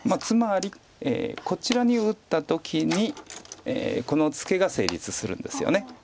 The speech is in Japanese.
つまりこちらに打った時にこのツケが成立するんですよね。